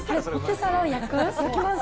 焼きます。